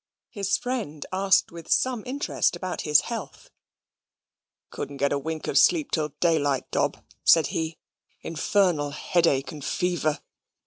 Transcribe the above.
His friend asked with some interest about his health. "Couldn't get a wink of sleep till daylight, Dob," said he. "Infernal headache and fever.